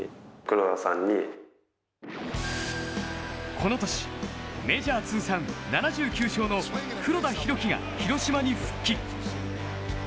この年、メジャー通算７９勝の黒田博樹が広島に復帰。